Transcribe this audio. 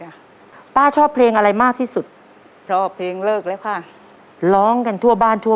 อ่ะป้าชอบเพลงอะไรมากที่สุดชอบเพลงเลิกแล้วค่ะร้องกันทั่วบ้านทั่ว